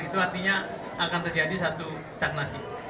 itu artinya akan terjadi satu stagnasi